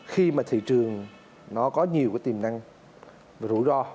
khi mà thị trường nó có nhiều cái tiềm năng và rủi ro